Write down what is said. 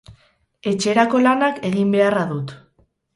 Etxerako lanak egin beharra dut